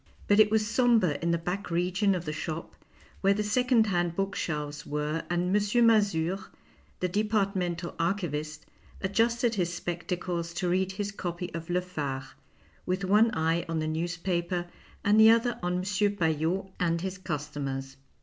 But it was sombre in the back region of the shop where the second hand book shelves were and M. Mazure, the departmental archivist, adjusted his spectacles to read his copy of Le Phare, with one eye on the newspaper and the other on M. Paillot and his customers.